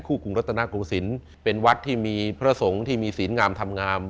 กรุงรัฐนาโกศิลป์เป็นวัดที่มีพระสงฆ์ที่มีศีลงามธรรมงาม